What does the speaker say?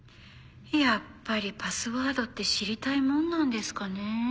やっぱりパスワードって知りたいもんなんですかね。